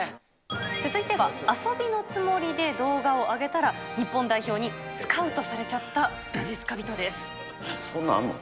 続いては、遊びのつもりで動画を上げたら日本代表にスカウトされちゃったまそんなんあんの？